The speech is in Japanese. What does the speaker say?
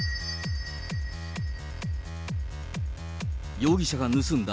容疑者が盗んだ